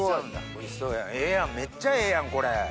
おいしそうやんええやんめっちゃええやんこれ。